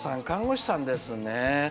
看護師さんですね。